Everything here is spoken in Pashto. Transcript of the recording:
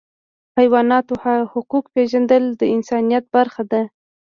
د حیواناتو حقوق پیژندل د انسانیت برخه ده.